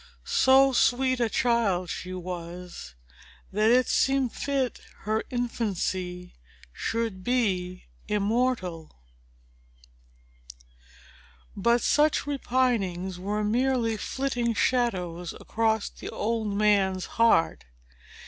So sweet a child she was, that it seemed fit her infancy should be immortal! But such repinings were merely flitting shadows across the old man's heart.